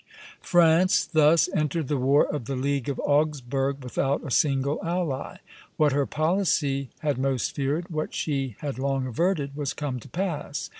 France thus entered the War of the League of Augsburg without a single ally. "What her policy had most feared, what she had long averted, was come to pass.